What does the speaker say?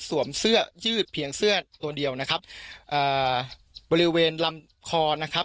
เสื้อยืดเพียงเสื้อตัวเดียวนะครับเอ่อบริเวณลำคอนะครับ